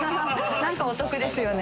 何かお得ですよね。